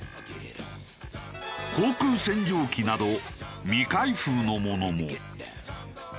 口腔洗浄器など未開封のものも。